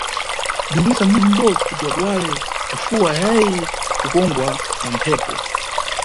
Bzinicitisa munthu mʼbodzi kuti aduwale cifuwa ayayi kukongwa na mphepo.